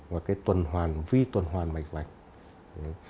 và cái tuần hoàn vi tuần hoàn mạch vành